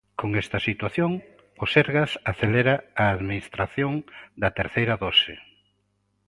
Con esta situación, o Sergas acelera a administración da terceira dose.